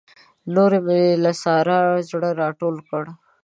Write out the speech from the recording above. نور مې له سارا زړه راټول کړ.